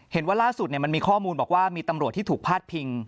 เห็นว่าล่าสุดมันมีข้อมูลบอกว่ามีตำรวจที่ถูกพาดพิง